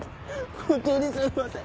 本当にすいません。